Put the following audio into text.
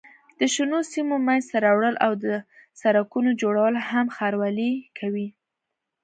د شنو سیمو منځته راوړل او د سړکونو جوړول هم ښاروالۍ کوي.